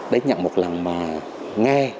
đánh nhận một lần mà nghe